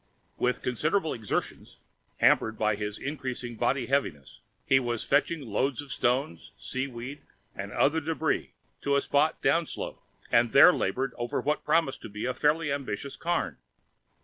With considerable exertions, hampered by his increasing bottom heaviness, he was fetching loads of stones, seaweed and other debris to a spot downslope, and there laboring over what promised to be a fairly ambitious cairn.